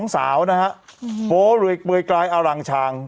๒สาวนะฮะโบเรกเบยกลายอาลางชาง